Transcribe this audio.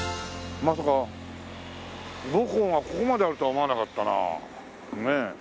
まさか母校がここまであると思わなかったなねえ。